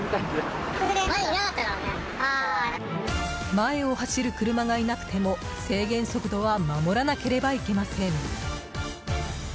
前を走る車がいなくても制限速度は守らなければいけません。